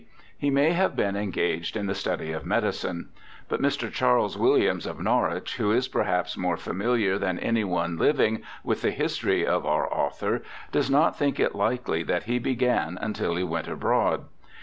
he may have been engaged in the study of medicine ; but Mr. Charles Williams, of Norwich, who is perhaps more familiar than any one living with the history of our author, does not think it likely that he began until he went abroad.